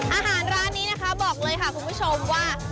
ร้านนี้นะคะบอกเลยค่ะคุณผู้ชมว่า